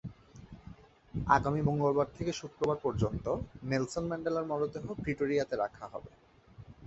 আগামী মঙ্গলবার থেকে শুক্রবার পর্যন্ত নেলসন ম্যান্ডেলার মরদেহ প্রিটোরিয়াতে রাখা হবে।